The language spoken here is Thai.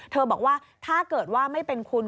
บอกว่าถ้าเกิดว่าไม่เป็นคุณ